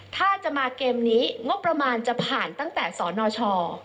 ถ้าจะมาเกมนี้งบประมาณจะผ่านตั้งแต่สนช